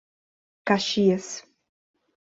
Caxias